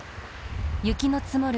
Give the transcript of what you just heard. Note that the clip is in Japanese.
雪の積もる